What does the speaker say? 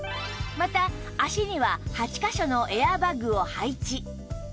また脚には８カ所のエアーバッグを配置